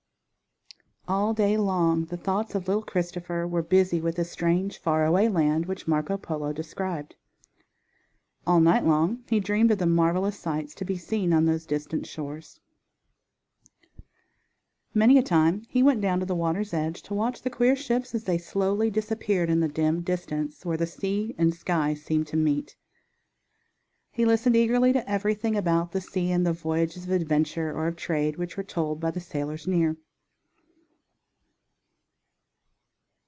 All day long the thoughts of little Christopher were busy with this strange far away land which Marco Polo described. All night long he dreamed of the marvelous sights to be seen on those distant shores. Many a time he went down to the water's edge to watch the queer ships as they slowly disappeared in the dim distance, where the sea and sky seemed to meet. He listened eagerly to everything about the sea and the voyages of adventure, or of trade which were told by the sailors near.